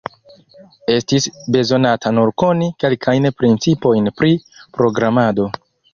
Estis bezonata nur koni kelkajn principojn pri programado.